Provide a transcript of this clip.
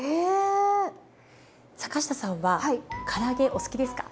坂下さんはから揚げお好きですか？